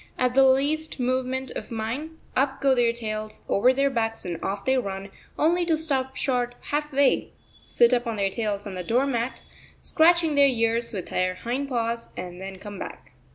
At the least movement of mine up go their tails over their backs and off they run, only to stop short half way, sit up on their tails on the door mat, scratching their ears with their hind paws, and then come back.